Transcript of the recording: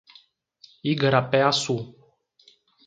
Igarapé-Açu